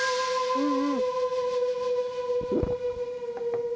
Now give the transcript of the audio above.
うん？